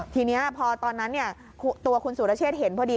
ทีนี้พอตอนนั้นตัวคุณสุรเชษฐเห็นพอดี